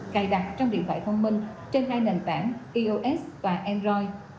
cài đặt trong điện thoại thông minh trên hai nền tảng ios và android